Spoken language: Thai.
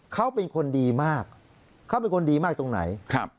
เขาเป็นคนดีมากเขาเป็นคนดีมากตรงไหนครับ